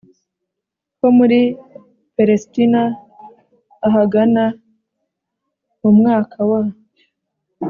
ho muri palestina ahagana mu mwaka wa